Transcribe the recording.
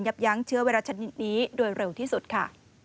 ยั้งเชื้อไวรัสชนิดนี้โดยเร็วที่สุดค่ะ